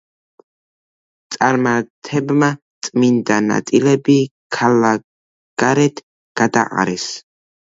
წარმართებმა წმინდა ნაწილები ქალაქგარეთ გადაყარეს.